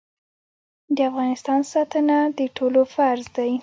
د افغانستان ساتنه د ټولو فرض دی